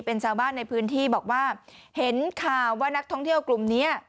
เป็นชาวบ้านในพื้นที่บอกว่าเห็นข่าวว่านักท่องเที่ยวกลุ่มนี้